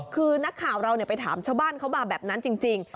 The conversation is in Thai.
คือนักข่าวเราไปถามชาวบ้านเขามาแบบนั้นจริง